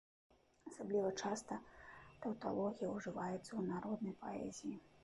Асабліва часта таўталогія ўжываецца ў народнай паэзіі.